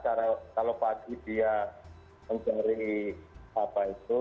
karena kalau pagi dia mencari apa itu